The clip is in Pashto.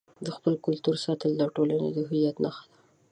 د خپل کلتور ساتل د ټولنې د هویت نښه ده.